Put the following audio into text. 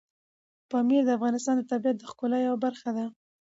پامیر د افغانستان د طبیعت د ښکلا یوه برخه ده.